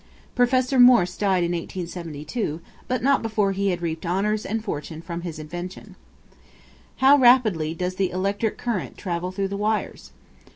Prof. Morse died in 1872, but not before he had reaped honors and fortune from his invention. How rapidly does the electric current travel through the wires?